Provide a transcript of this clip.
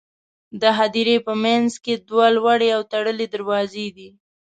د هدیرې په منځ کې دوه لوړې او تړلې دروازې دي.